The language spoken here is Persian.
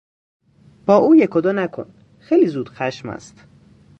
با او یک و دو نکن، خیلی زودخشم است.